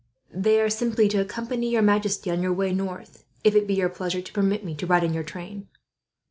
"They are simply to accompany your majesty on your way north, if it be your pleasure to permit me to ride in your train."